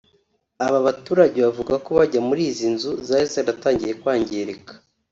Aba baturage bavuga ko bajya muri izi nzu zari zaratangiye kwangirika